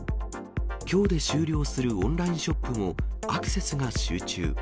きょうで終了するオンラインショップも、アクセスが集中。